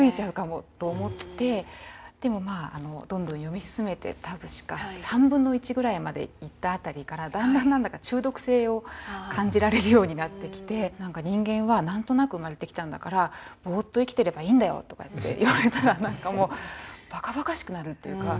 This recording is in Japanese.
でもまあどんどん読み進めて確か３分の１ぐらいまでいった辺りからだんだん何だか中毒性を感じられるようになってきて「人間は何となく生まれてきたんだからぼーっと生きてればいいんだよ」とかって言われたらばかばかしくなるっていうか。